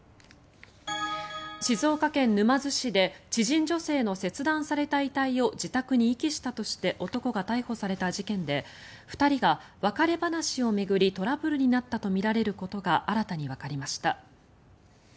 静岡県沼津市で知人女性の切断された遺体を自宅に遺棄したとして男が逮捕された事件で２人が別れ話を巡りトラブルになったとみられることが新たにわかりました。